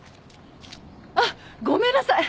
あっごめんなさい。